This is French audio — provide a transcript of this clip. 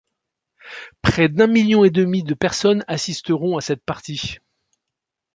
Près d'un million et demi de personnes assisteront à cette partie.